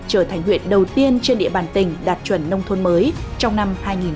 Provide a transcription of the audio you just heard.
trở thành huyện đầu tiên trên địa bàn tỉnh đạt chuẩn nông thôn mới trong năm hai nghìn hai mươi